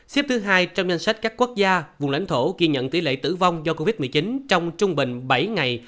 xếp thứ hai trong danh sách các quốc gia vùng lãnh thổ ghi nhận tỷ lệ tử vong do covid một mươi chín trong trung bình bảy ngày